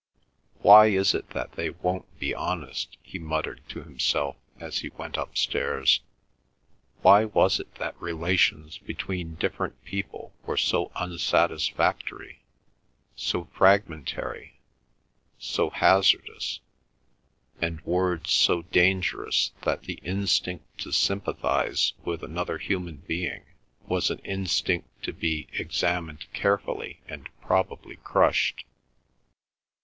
"Why is it that they won't be honest?" he muttered to himself as he went upstairs. Why was it that relations between different people were so unsatisfactory, so fragmentary, so hazardous, and words so dangerous that the instinct to sympathise with another human being was an instinct to be examined carefully and probably crushed?